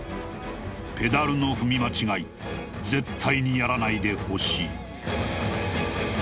ペダルの踏み間違い絶対にやらないでほしい